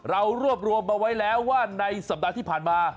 เรารวบรวมมาไว้แล้วว่าในสัปดาห์ที่ผ่านมา